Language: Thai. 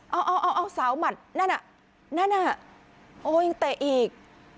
เอาเอาสาวหมัดนั่นอ่ะนั่นน่ะโอ้ยังเตะอีก